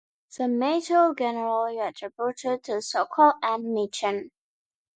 The method is generally attributed to Sokal and Michener.